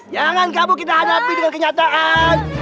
jangan kamu kita hadapi dengan kenyataan